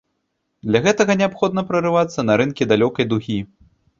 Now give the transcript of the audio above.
Для гэтага неабходна прарывацца на рынкі далёкай дугі.